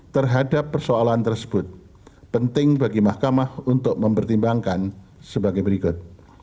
terhadap persoalan tersebut penting bagi mahkamah untuk mempertimbangkan sebagai berikut